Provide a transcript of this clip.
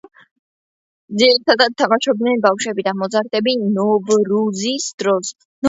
ძირითადად თამაშობენ ბავშვები და მოზარდები, ნოვრუზის დროს.